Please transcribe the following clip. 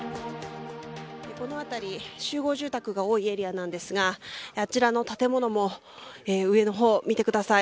この辺り集合住宅が多いエリアなんですがあちらの建物も上の方を見てください。